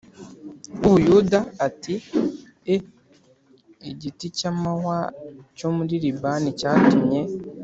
w u Buyuda ati e igiti cy amahwa cyo muri Libani cyatumye